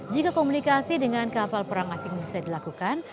jika komunikasi dengan kapal perang asing bisa dilakukan